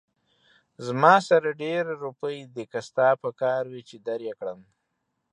زما سره ډېرې روپۍ دي، که ستاسې پکار وي، چې در يې کړم